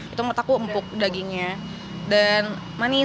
itu menurut aku empuk dagingnya dan manis